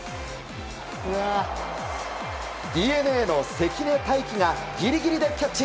ＤｅＮＡの関根大気がギリギリでキャッチ！